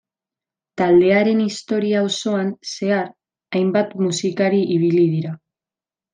Taldearen historia osoan zehar hainbat musikari ibili dira.